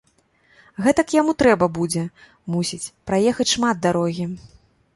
Гэтак яму трэба будзе, мусіць, праехаць шмат дарогі.